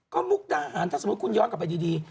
ก็มุกดาหารถ้าสมมุติคุณย้อนกลับไปดี